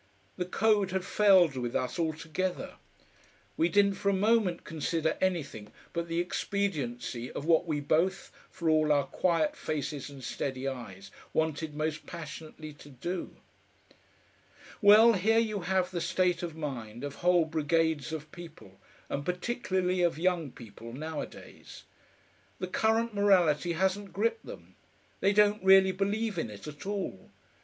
The code had failed with us altogether. We didn't for a moment consider anything but the expediency of what we both, for all our quiet faces and steady eyes, wanted most passionately to do. Well, here you have the state of mind of whole brigades of people, and particularly of young people, nowadays. The current morality hasn't gripped them; they don't really believe in it at all.